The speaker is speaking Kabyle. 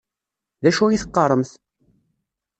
D acu i teqqaṛemt?